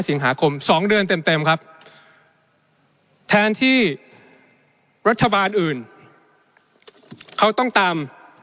สิงหาคม๒เดือนเต็มครับแทนที่รัฐบาลอื่นเขาต้องตาม